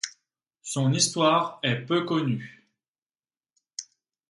Son histoire est peu connue.